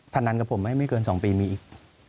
พนันกับผมไม่เกิน๒ปีมีอีก